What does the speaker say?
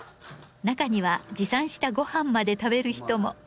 中には持参したご飯まで食べる人も。